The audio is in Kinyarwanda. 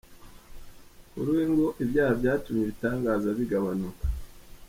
Kuri we, ngo ibyaha byatumye ibitangaza bigabanuka.